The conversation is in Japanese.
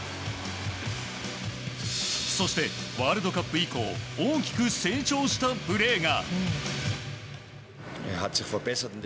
そして、ワールドカップ以降大きく成長したプレーが。